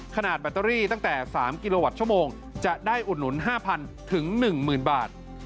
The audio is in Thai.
แบตเตอรี่ตั้งแต่๓กิโลวัตต์ชั่วโมงจะได้อุดหนุน๕๐๐ถึง๑๐๐บาท